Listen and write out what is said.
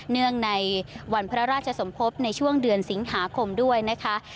เนื่องในวันพระราชสมภพในช่วงเดือนสิงหาคมด้วยนะคะ